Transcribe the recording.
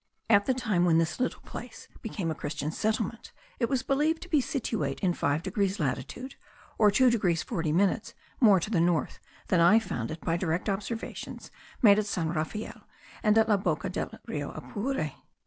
At the time when this little place became a Christian settlement, it was believed to be situate in 5 degrees latitude, or two degrees forty minutes more to the south than I found it by direct observations made at San Rafael, and at La Boca del Rio Apure.